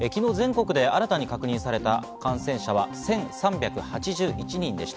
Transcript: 昨日の全国で新たに確認された感染者は１３８１人でした。